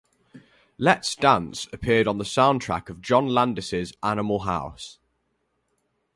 "Let's Dance" appeared on the soundtrack of John Landis's "Animal House".